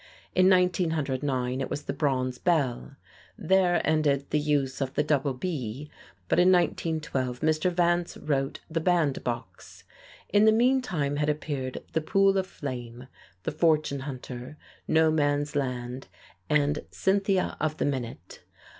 In 1909 it was "The Bronze Bell." There ended the use of the double B, but in 1912, Mr. Vance wrote "The Bandbox." In the meantime had appeared "The Pool of Flame," "The Fortune Hunter," "No Man's Land," and "Cynthia of the Minute."